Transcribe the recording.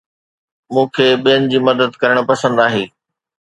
مون کي ٻين جي مدد ڪرڻ پسند آهي